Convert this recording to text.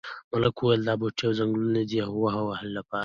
ملک وویل دا بوټي او ځنګلونه دي د وهلو لپاره.